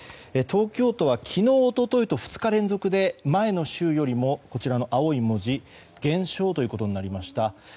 東京都は昨日、一昨日と２日連続で前の週よりも青い文字で減少ということになりました。